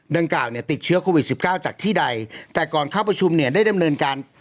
ดังกล่าวเนี่ยติดเชื้อโควิดสิบเก้าจากที่ใดแต่ก่อนเข้าประชุมเนี่ยได้ดำเนินการ